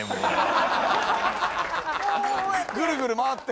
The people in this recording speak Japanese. ぐるぐる回って。